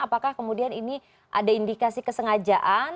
apakah kemudian ini ada indikasi kesengajaan